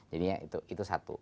jadinya itu satu